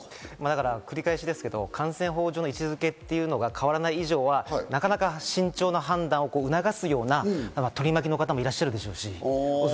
繰り返しですけど、感染法上の位置付けというのが変わらない以上はなかなか慎重な判断を促すような取り巻きの方もいらっしゃるでしょうし。